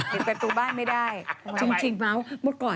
ปิดประตูบ้านไม่ได้จริงมากหมดก่อนนะ